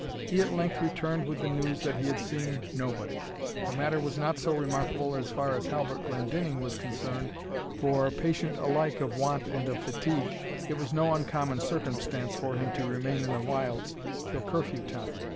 He at length returned with the news that he had seen nobody. The matter was not so remarkable as far as Halbert Glendinning was concerned, for, patient alike of want and of fatigue, it was no uncommon circumstance for him to remain in the wilds till curfew time.